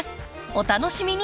お楽しみに！